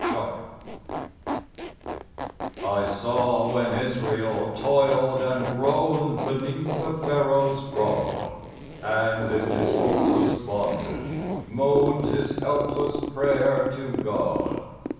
VISIONS I saw when Israel toiled and groaned beneath the Pharoah's rod, And in his hopeless bondage moaned his helpless prayer to God.